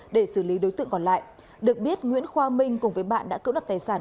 để xử lý đối tượng còn lại được biết nguyễn khoa minh cùng với bạn đã cưỡng đất tài sản